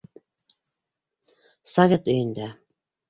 Совет өйөндә